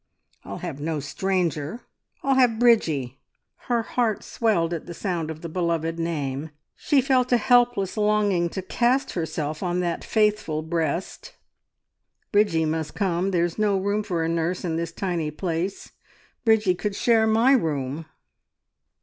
I'll have no stranger. I'll have Bridgie." Her heart swelled at the sound of the beloved name; she felt a helpless longing to cast herself on that faithful breast. "Bridgie must come. There's no room for a nurse in this tiny place. Bridgie could share my room."